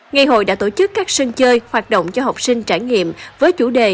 ngày hội đã tổ chức các sân chơi hoạt động cho học sinh trải nghiệm với chủ đề